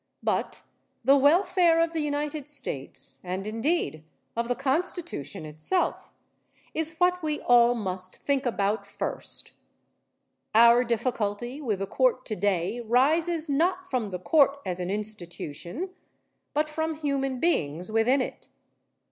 But the welfare of the United States, and indeed of the Constitution itself, is what we all must think about first. Our difficulty with the Court today rises not from the Court as an institution but from human beings within it.